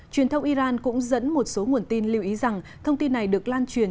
truyền thông iran cũng dẫn một số nguồn tin lưu ý rằng thông tin này được lan truyền